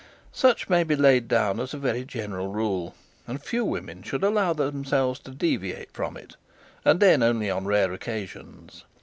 Such may be laid down as a general rule; and few women should allow themselves to deviate from it, and then only on rare occasions.